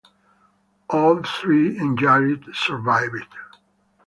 All three injured survived.